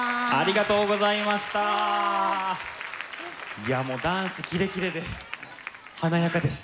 いやもうダンスキレキレで華やかでした。